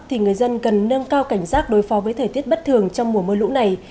thì người dân cần nâng cao cảnh giác đối phó với thời tiết bất thường trong mùa mưa lũ này